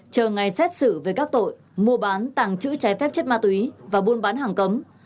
chờ ngày xét xử về các tội mua bán tàng trữ trái phép chất ma túy và buôn bán hàng cấm